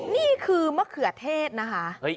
นี่คือมะเขือเทศนะคะ